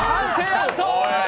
アウト。